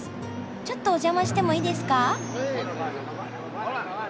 ちょっとお邪魔してもいいですか？